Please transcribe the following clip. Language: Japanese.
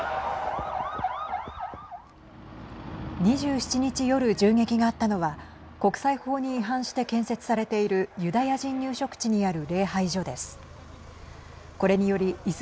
２７日夜、銃撃があったのは国際法に違反して建設されているユダヤ人入植地にある礼拝所です。